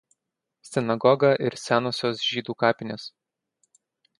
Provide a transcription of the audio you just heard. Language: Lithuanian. Sinagoga ir senosios žydų kapinės.